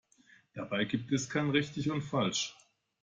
Dabei gibt es kein Richtig und Falsch.